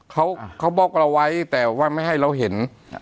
เขาเขาบล็อกเราไว้แต่ว่าไม่ให้เราเห็น